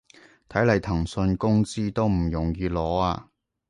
睇來騰訊工資都唔容易攞啊